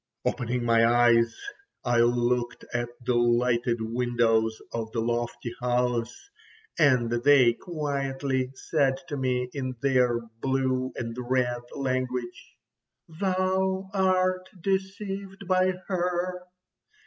ho!" Opening my eyes I looked at the lighted windows of the lofty house, and they quietly said to me in their blue and red language: "Thou art deceived by her.